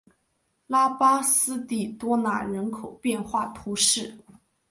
拉巴斯蒂多纳人口变化图示